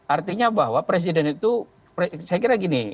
artinya bahwa presiden itu saya kira gini